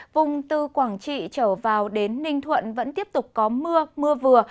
vùng từ quảng trị trở vào đến ninh thuận vẫn tiếp tục có mưa mưa vừa